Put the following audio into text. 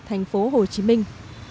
thành phố hồ chí minh